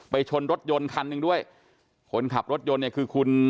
ชนรถยนต์คันหนึ่งด้วยคนขับรถยนต์เนี่ยคือคุณ